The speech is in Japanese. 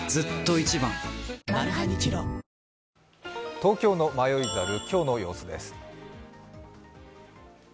東京の迷い猿、今日の様子です。